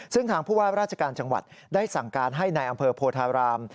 ซึ่งทางผู้ว่าราชการจังหวัดได้สั่งการให้ในอำเภอโพธาราม